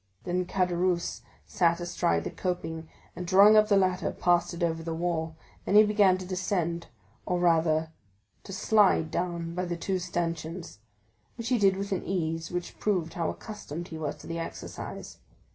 Then Caderousse sat astride the coping, and drawing up his ladder passed it over the wall; then he began to descend, or rather to slide down by the two stanchions, which he did with an ease which proved how accustomed he was to the exercise.